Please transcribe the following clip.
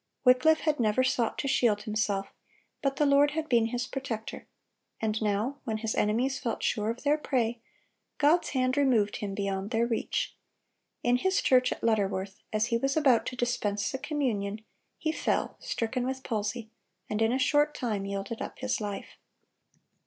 Wycliffe had never sought to shield himself, but the Lord had been his protector; and now, when his enemies felt sure of their prey, God's hand removed him beyond their reach. In his church at Lutterworth, as he was about to dispense the communion, he fell, stricken with palsy, and in a short time yielded up his life.